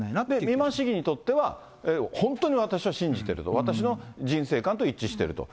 美馬市議にとっては、本当に私は信じてると、私の人生観と一致してると。